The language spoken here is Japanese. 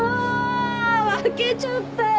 負けちゃったよ！